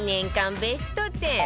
ベスト１０